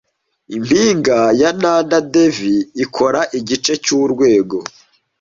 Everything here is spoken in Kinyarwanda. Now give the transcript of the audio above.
Impinga ya Nanda Devi ikora igice cyurwego